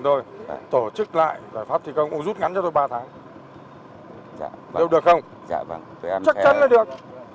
được không chắc chắn là được